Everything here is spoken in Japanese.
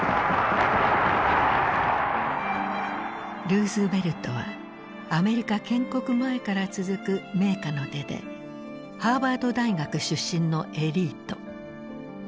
ルーズベルトはアメリカ建国前から続く名家の出でハーバード大学出身のエリート。